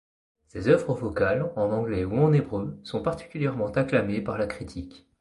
Ses œuvres vocales, en anglais ou en hébreu, sont particulièrement acclamées par la critique.